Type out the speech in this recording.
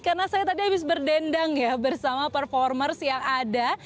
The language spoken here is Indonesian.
karena saya tadi habis berdendang ya bersama performers yang ada